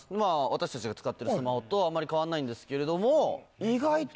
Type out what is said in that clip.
私たちが使ってるスマホとあんまり変わんないんですけど。